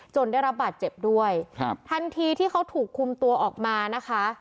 ได้รับบาดเจ็บด้วยครับทันทีที่เขาถูกคุมตัวออกมานะคะ